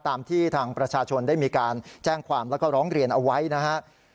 ตามที่ทางประชาชนได้มีการแจ้งความแล้วก็ร้องเรียนเอาไว้นะครับ